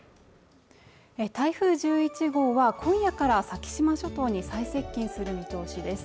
台風１１号は今夜から先島諸島に最接近する見通しです